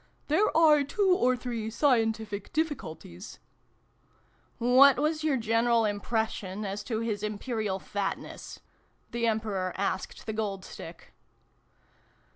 " There are two or three scientific difficulties " What was your general impression as to His Imperial Fatness ?" the Emperor asked the Gold Stick.